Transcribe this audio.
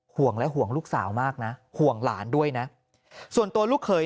ห่วงและห่วงลูกสาวมากนะห่วงหลานด้วยนะส่วนตัวลูกเขย